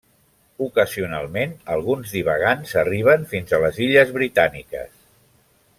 Ocasionalment alguns divagants arriben fins a les illes Britàniques.